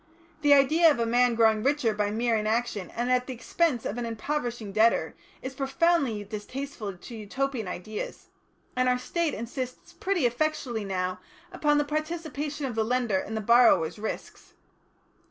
The idea of a man growing richer by mere inaction and at the expense of an impoverishing debtor, is profoundly distasteful to Utopian ideas, and our State insists pretty effectually now upon the participation of the lender in the borrower's risks.